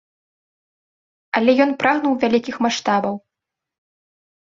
Але ён прагнуў вялікіх маштабаў.